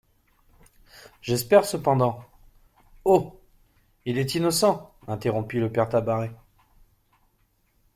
J'espère cependant … Oh ! il est innocent, interrompit le père Tabaret.